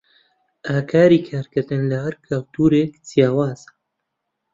ئاکاری کارکردن لە هەر کولتوورێک جیاوازە.